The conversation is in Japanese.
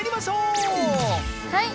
はい！